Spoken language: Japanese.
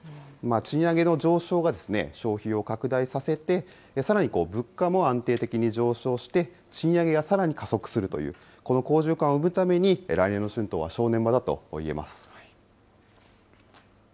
賃上げの上昇が消費を拡大させて、さらに物価も安定的に上昇して、賃上げがさらに加速するという、この好循環を生むために、来年の春闘は正念場だといえます。